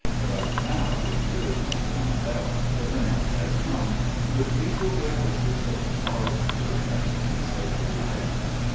But now, we really must wind up, for the night has come; and with mutual good wishes for to morrow's enjoyment, we say good night.